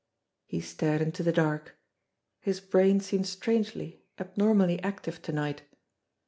He stared into the dark. His brain seemed strangely, ab normally active to night.